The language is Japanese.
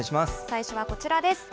最初はこちらです。